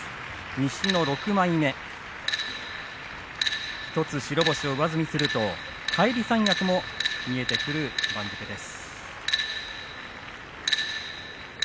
西の６枚目１つ白星を上積みしますと返り三役も見えてくる番付です。